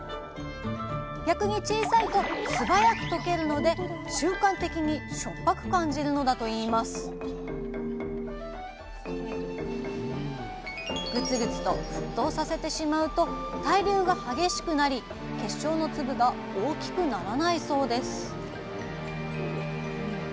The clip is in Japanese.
逆に小さいとすばやく溶けるので瞬間的にしょっぱく感じるのだといいますグツグツと沸騰させてしまうと対流が激しくなり結晶の粒が大きくならないそうです